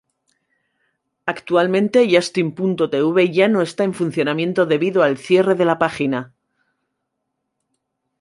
Actualmente justin.tv ya no está en funcionamiento debido al cierre de la página.